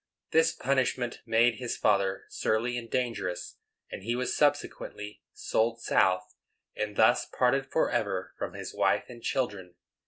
This punishment made his father surly and dangerous, and he was subsequently sold south, and thus parted forever from his wife and children.